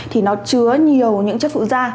thì nó chứa nhiều những chất phụ da